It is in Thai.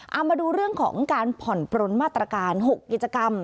เอามาดูเรื่องของการผ่อนปลนมาตรการ๖กิจกรรม